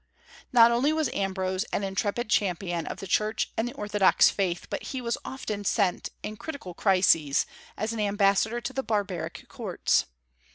Not only was Ambrose an intrepid champion of the Church and the orthodox faith, but he was often sent, in critical crises, as an ambassador to the barbaric courts.